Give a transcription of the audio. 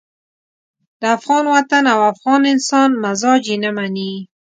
د افغان وطن او افغان انسان مزاج یې نه مني.